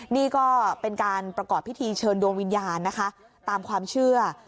นี่ก็เป็นการประกอบพิธีเชิญดวงวิญญาณนะคะตามความเชื่อ